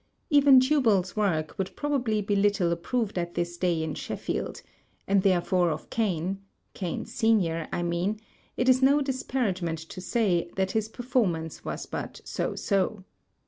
Even Tubal's work would probably be little approved at this day in SheflBield; and therefore of Cain (Cain senior, I mean) it is no disparage ment to say, that his performance was but so so.